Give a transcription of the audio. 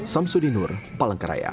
samsudi nur palangkaraya